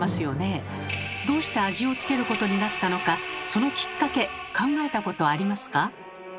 どうして味を付けることになったのかそのきっかけ考えたことありますか？